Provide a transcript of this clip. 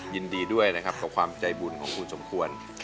ยินดีด้วยนะครับกับความใจบุญของคุณสมควร